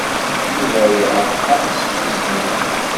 Yuba yerḥa s tismin.